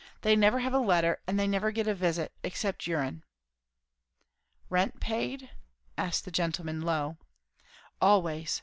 They never have a letter, and they never get a visit, except your'n." "Rent paid?" asked the gentleman low. "Always!